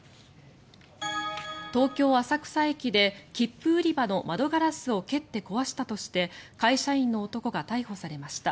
東京・浅草駅で切符売り場の窓ガラスを蹴って壊したとして会社員の男が逮捕されました。